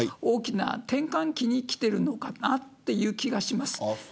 大きな転換期にきてるのかなという気がします。